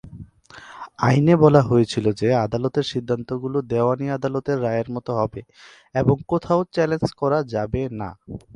আইনে বলা হয়েছিল যে আদালতের সিদ্ধান্তগুলি দেওয়ানি আদালতের রায়ের মতো হবে এবং কোথাও চ্যালেঞ্জ করা যাবে না।